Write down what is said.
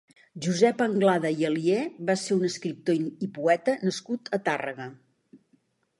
Josep Anglada i Alier va ser un escriptor i poeta nascut a Tàrrega.